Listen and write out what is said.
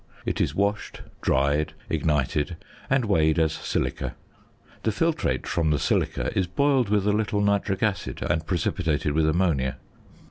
It is washed, dried, ignited, and weighed as silica. The filtrate from the silica is boiled with a little nitric acid and precipitated with ammonia.